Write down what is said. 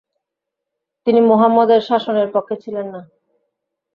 তিনি মুহাম্মদের শাসনের পক্ষে ছিলেন না।